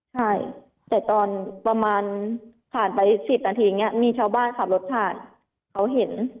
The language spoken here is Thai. ใช่แต่ตอนประมาณผ่านไป๑๐นาทีอย่างนี้มีชาวบ้านขับรถผ่านเขาเห็น